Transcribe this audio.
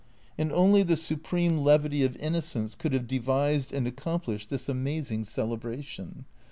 And only the supreme levity of innocence could have devised and accomplished this amazing celebration.